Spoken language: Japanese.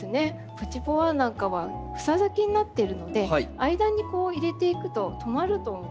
「プチ・ポワン」なんかは房咲きになってるので間に入れていくと留まると思います。